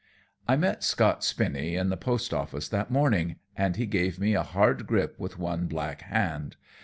I met Scott Spinny in the post office that morning, and he gave me a hard grip with one black hand.